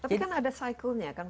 tapi kan ada cyclenya kan